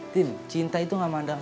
tim cinta itu gak mandang